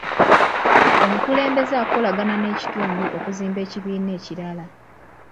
Omukulembeze akolagana n'ekitundu okuzimba ekibiina ekirala.